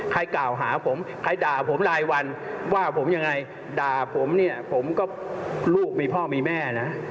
กล่าวหาผมใครด่าผมรายวันว่าผมยังไงด่าผมเนี่ยผมก็ลูกมีพ่อมีแม่นะ